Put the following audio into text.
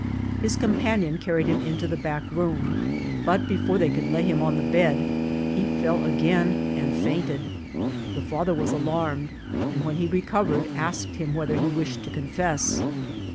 His companion car ried him into the back room; but before they could lay him on the bed he fell again and fainted. The &ther was alarmed, and when he recovered, asked him whether he wished to confess.